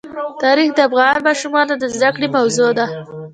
تاریخ د افغان ماشومانو د زده کړې موضوع ده.